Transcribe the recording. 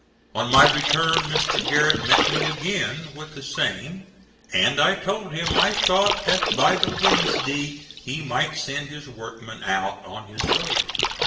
On my return Mr. Garrett met me again with the same and I told him I thought that by the Wednesday he might send his workmen out on his road.